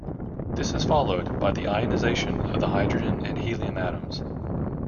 This is followed by the ionization of the hydrogen and helium atoms.